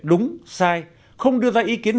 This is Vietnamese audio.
đúng sai không đưa ra ý kiến